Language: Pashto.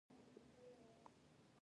په پانګوالي نظام کې د مالکانو ګټه څه ده